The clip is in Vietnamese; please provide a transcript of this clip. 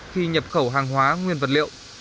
khi nhập khẩu hàng hóa nguyên vật liệu